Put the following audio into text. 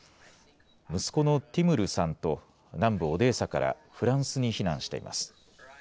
息子のティムルさんと、南部オデーサからフランスに避難しています。